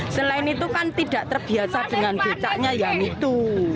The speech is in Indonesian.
selain itu kan tidak terbiasa dengan becaknya yang itu